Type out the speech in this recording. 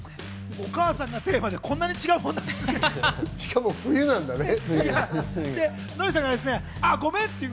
お母さんがテーマでこんなに違うんですね。